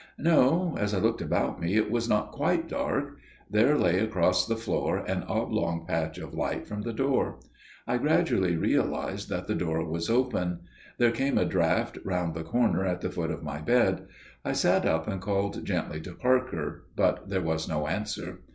No; as I looked about me it was not quite dark. There lay across the floor an oblong patch of light from the door. I gradually realised that the door was open; there came a draught round the corner at the foot of my bed. I sat up and called gently to Parker. But there was no answer.